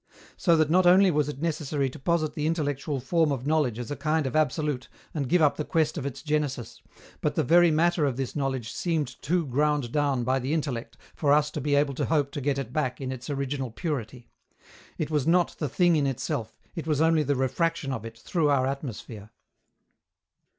So that not only was it necessary to posit the intellectual form of knowledge as a kind of absolute and give up the quest of its genesis, but the very matter of this knowledge seemed too ground down by the intellect for us to be able to hope to get it back in its original purity. It was not the "thing in itself," it was only the refraction of it through our atmosphere.